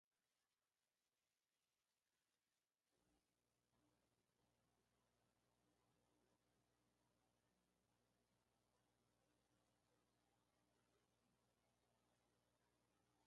He died in Odessa.